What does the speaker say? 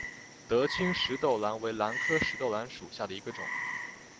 德钦石豆兰为兰科石豆兰属下的一个种。